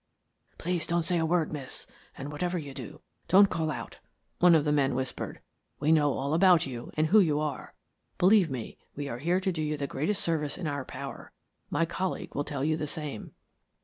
"Please don't say a word, miss; and, whatever you do, don't call out," one of the men whispered. "We know all about you and who you are. Believe me, we are here to do you the greatest service in our power. My colleague will tell you the same."